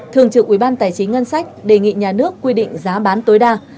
thường trực ubth đề nghị nhà nước quy định giá bán tối đa